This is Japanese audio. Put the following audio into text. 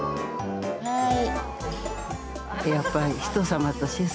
はい。